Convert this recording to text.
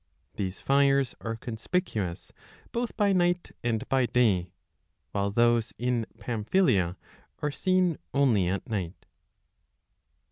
These fires 5 are conspicuous both by night and by day, while those in Pamphylia are seen only at night.